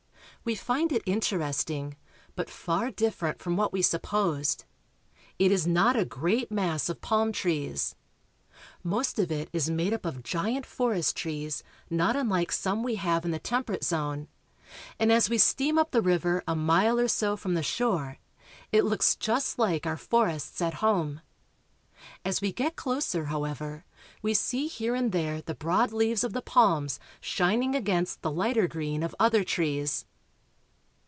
We find it interesting, but far different from what we supposed. It is not a great mass of palm trees. Most of it is made 322 BRAZIL. up of giant forest trees, not unlike some we have in the temperate zone, and as we steam up the river a mile or so from the shore, it looks just like our forests at home. As we get closer, however, we see here and there the broad leaves of the palms shining against the lighter green of other trees.